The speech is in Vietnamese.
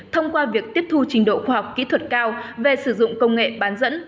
thông qua việc tiếp thu trình độ khoa học kỹ thuật cao về sử dụng công nghệ bán dẫn